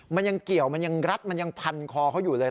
มันยังเกี่ยวมันยังรัดมันยังพันคอเขาอยู่เลย